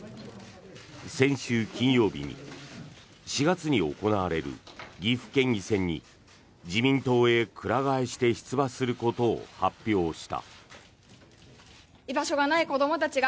先週金曜日に４月に行われる岐阜県議選に自民党へくら替えして出馬することを発表した。